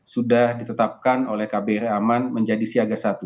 sudah ditetapkan oleh kbri aman menjadi siaga satu